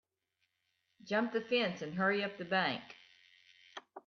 Jump the fence and hurry up the bank.